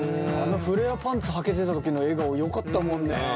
あのフレアパンツはけてた時の笑顔よかったもんね。